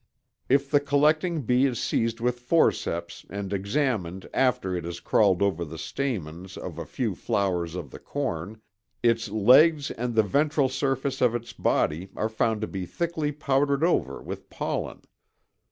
If the collecting bee is seized with forceps and examined after it has crawled over the stamens of a few flowers of the corn, its legs and the ventral surface of its body are found to be thickly powdered over with pollen.